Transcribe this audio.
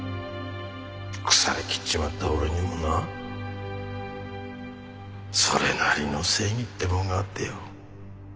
腐りきっちまった俺にもなそれなりの正義ってもんがあってよ。